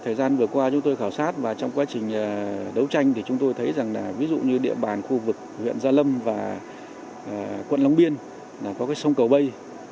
thời gian vừa qua chúng tôi khảo sát trong quá trình đấu tranh chúng tôi thấy rằng đệ bàn khu vực verlâm và quận long biên có sông cầu bầy